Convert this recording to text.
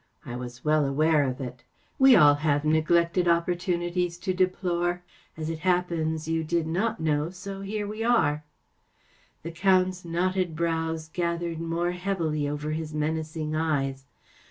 I was well aware of it. We all have neglected opportunities to deplore. As it happens, you did not know, so here we are ! ‚ÄĚ The Count's knotted brows gathered more heavily over his menacing eyes.